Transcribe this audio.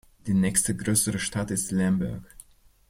Die nächste größere Stadt ist Lemberg.